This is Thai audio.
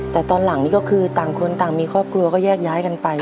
แต่ตอนหลังนี่ก็คือต่างคนต่างมีครอบครัวก็แยกย้ายกันไป